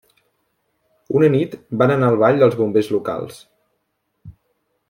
Una nit van anar al ball dels bombers locals.